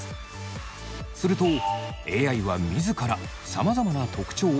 するとＡＩは自らさまざまな特徴を探し出し学習。